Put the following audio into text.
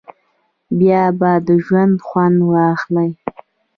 بیا به د ژونده خوند واخلی.